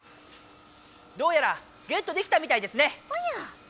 どうやらゲットできたみたいですね。